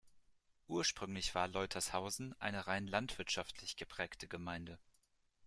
Ursprünglich war Leutershausen eine rein landwirtschaftlich geprägte Gemeinde.